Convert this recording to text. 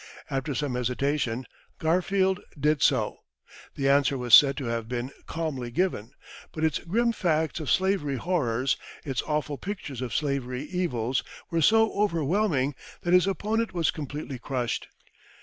After some hesitation, Garfield did so. The answer was said to have been calmly given, but its grim facts of slavery horrors, its awful pictures of slavery evils, were so overwhelming, that his opponent was completely crushed.